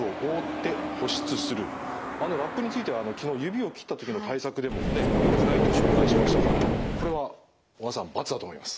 ラップについては昨日指を切った時の対策でもよくないと紹介しましたからこれは小川さん×だと思います。